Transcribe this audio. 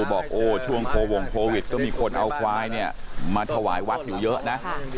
บอกโอ้ช่วงโควงโควิดก็มีคนเอาควายเนี่ยมาถวายวัดอยู่เยอะนะ